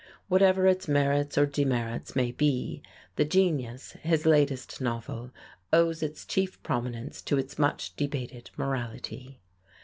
Whatever its merits or demerits may be, "The Genius," his latest novel, owes its chief prominence to its much debated morality.